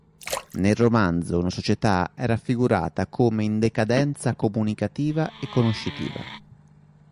Nel romanzo una società è raffigurata come in decadenza comunicativa e conoscitiva.